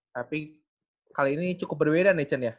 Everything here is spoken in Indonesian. tapi kali ini cukup berbeda nih cend ya